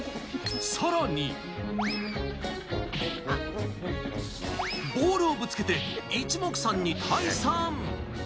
さらに、ボールをぶつけて一目散に退散。